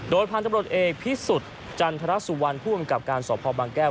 โดยพันธุ์ตำรวจเอกพิสุทธิ์จันทรสุวรรณผู้กำกับการสอบพอบางแก้ว